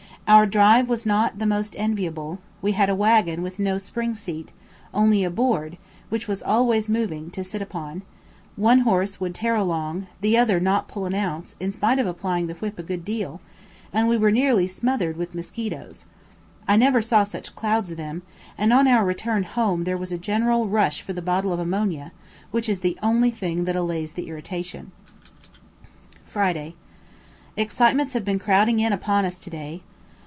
Our drive was not of the most enviable: we had a waggon with no spring seat, only a board, which was always moving, to sit upon; one horse would tear along, the other not pull an ounce, in spite of applying the whip a good deal, and we were nearly smothered with mosquitoes, I never saw such clouds of them, and on our return home there was a general rush for the bottle of ammonia, which is the only thing that allays the irritation. Friday. Excitements have been crowding in upon us to day.